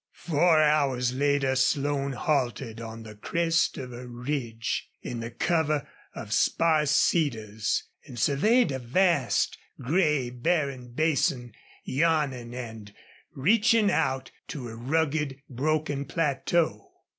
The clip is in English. Four hours later Slone halted on the crest of a ridge, in the cover of sparse cedars, and surveyed a vast, gray, barren basin yawning and reaching out to a rugged, broken plateau.